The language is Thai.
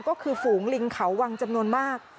ก็คือฝูงลิงเขาวังจำนวนมาก